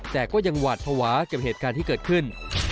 แต่ก็ยังหวาดภาวะกับเหตุการณ์ที่เกิดขึ้น